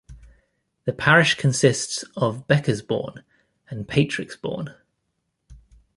The parish consists of Bekesbourne and Patrixbourne.